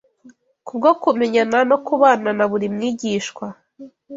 Kubwo kumenyana no kubana na buri mwigishwa